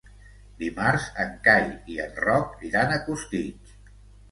Dimarts en Cai i en Roc iran a Costitx.